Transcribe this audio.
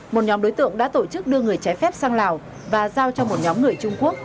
một nhóm đối tượng đã tổ chức đưa người trái phép sang lào và giao cho một nhóm người trung quốc